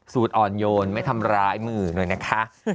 สูตรอ่อนโยนไม่ทำร้ายมือหน่อยนะคะ